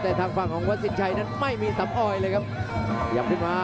แต่ทางฝั่งของวัดสินชัยนั้นไม่มีสำออยเลยครับขยับขึ้นมา